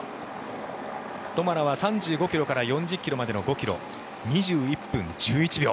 トマラは３５ｋｍから４０ｋｍまでの５ｋｍ２１分１１秒。